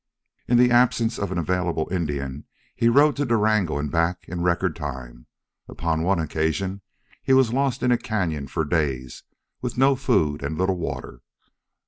In the absence of an available Indian he rode to Durango and back in record time. Upon one occasion he was lost in a cañon for days, with no food and little water.